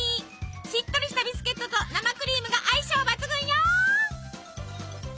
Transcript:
しっとりしたビスケットと生クリームが相性抜群よ！